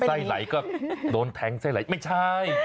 ไส้ไหลก็โดนแทงไส้ไหลไม่ใช่